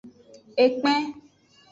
Ekpen.